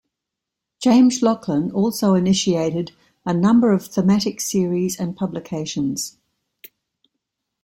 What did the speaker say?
James Laughlin also initiated a number of thematic series and publications.